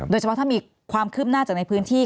โดยเฉพาะถ้ามีความคืบหน้าจากในพื้นที่